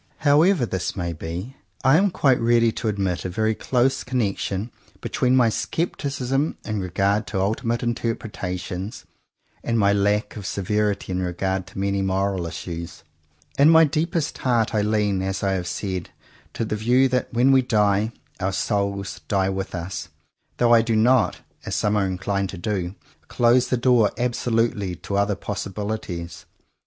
However this may be, I am quite ready to admit a very close connection between my scepticism in regard to ultimate interpre tations, and my lack of severity in regard to many moral issues. In my deepest heart I lean, as I have said, to the view that, when we die, our "souls" die with us, though I do not, as some are inclined to do, close the door absolutely to other possibilities.